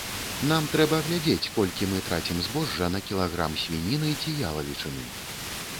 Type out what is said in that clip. Нам трэба глядзець, колькі мы трацім збожжа на кілаграм свініны ці ялавічыны.